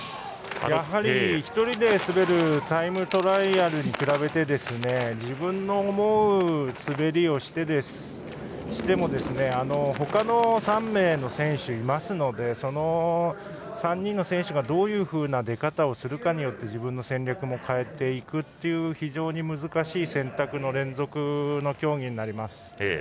やはり１人で滑るタイムトライアルに比べて自分の思う滑りをしてもほかの３名の選手がいますのでその３人の選手がどういうふうな出方をするかで自分の戦略も変えていくという非常に難しい選択の連続の競技になります。